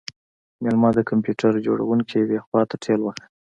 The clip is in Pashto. میلمه د کمپیوټر جوړونکی یوې خواته ټیل واهه